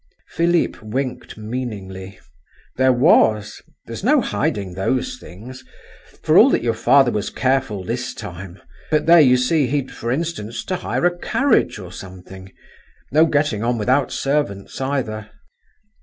Philip winked meaningly. "There was. There's no hiding those things; for all that your father was careful this time—but there, you see, he'd, for instance, to hire a carriage or something … no getting on without servants, either."